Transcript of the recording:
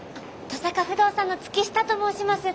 登坂不動産の月下と申します。